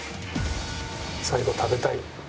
最後食べたい。